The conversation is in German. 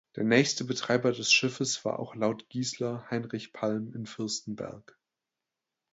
Der nächste Betreiber des Schiffes war auch laut Giesler Heinrich Palm in Fürstenberg.